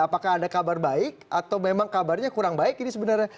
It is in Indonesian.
apakah ada kabar baik atau memang kabarnya kurang baik ini sebenarnya